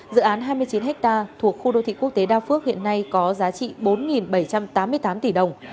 dự án hai mươi chín ha thuộc khu đô thị quốc tế đa phước hiện nay có giá trị bốn bảy trăm tám mươi tám tỷ đồng